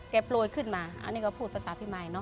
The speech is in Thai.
กันโปรยขึ้นมาตอนนี้ก็พูดภาษาพิมัน